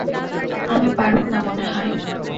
আমি পারবোনা মনেহয়।